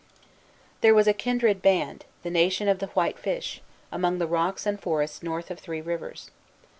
There was a kindred band, the Nation of the White Fish, among the rocks and forests north of Three Rivers.